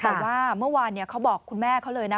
บอกว่าเมื่อวานเขาบอกคุณแม่เขาเลยนะ